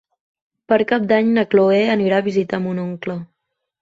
Per Cap d'Any na Cloè anirà a visitar mon oncle.